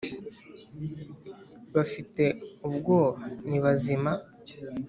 bafite ubwoba, ni bazima.